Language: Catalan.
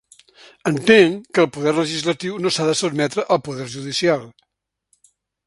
Entenc que el poder legislatiu no s’ha de sotmetre al poder judicial.